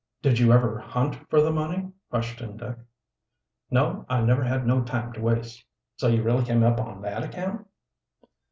"Did you ever hunt for the money?" questioned Dick. "No, I never had no time to waste. So you really came up on that account?"